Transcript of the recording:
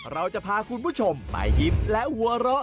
เราจะพาคุณผู้ชมไปยิ้มและหัวเราะ